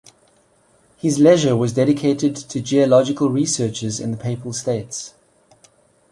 His leisure was dedicated to geological researches in the papal states.